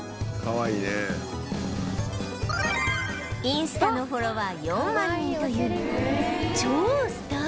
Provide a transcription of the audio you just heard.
インスタのフォロワー４万人という超スター犬